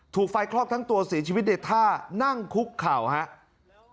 ถูกไฟคลอกทั้งตัวเสียชีวิตในท่านั่งคุกเข่าครับ